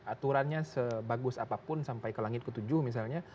aturannya sebagus apapun sampai ke langit ke tujuh misalnya